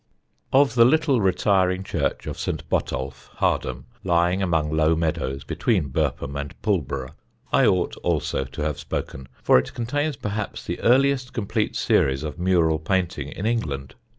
Of the little retiring church of St. Botolph, Hardham, lying among low meadows between Burpham and Pulborough, I ought also to have spoken, for it contains perhaps the earliest complete series of mural painting in England.